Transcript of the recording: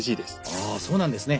あそうなんですね。